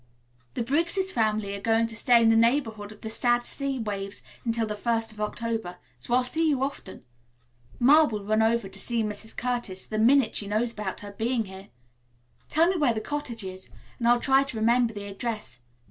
"The Briggs' family are going to stay in the neighborhood of the sad sea waves until the first of October, so I'll see you often. Ma will run over to see Mrs. Curtis the minute she knows about her being here. Tell me where the cottage is and I'll try to remember the address.